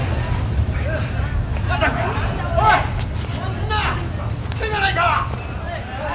みんなけがないか！